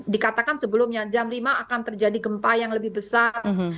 dikatakan sebelumnya jam lima akan terjadi gempa yang lebih besar